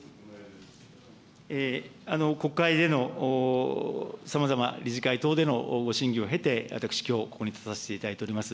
国会でのさまざま、理事会等でのご審議を経て、私きょう、ここに立たせていただいております。